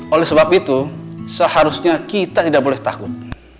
oleh sebab itu seharusnya kita tidak boleh takut